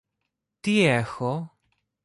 Τι έχω;